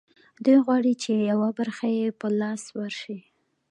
دوی غواړي چې یوه برخه یې په لاس ورشي